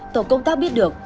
tổ công tác biết được